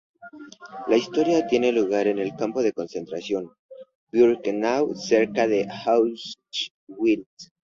La historia tiene lugar en el campo de concentración de Birkenau cerca de Auschwitz.